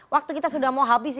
waktu kita sudah mau habis